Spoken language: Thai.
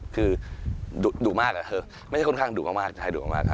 คือดุมากไม่ใช่ค่อนข้างดุมากใช่ดุมาก